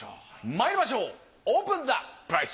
まいりましょうオープンザプライス。